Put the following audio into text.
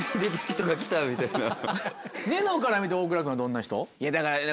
ニノから見て大倉君はどんな人？